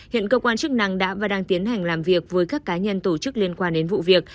hiện cơ quan chức năng đã và đang tiến hành làm việc với các cá nhân tổ chức liên quan đến vụ việc